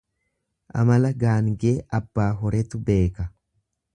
Amala gaangee abbaa horetu beeka.